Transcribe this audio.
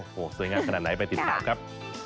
โอ้โหสวยงามขนาดไหนไปติดตามครับ